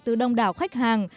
từ đông đảo khách hàng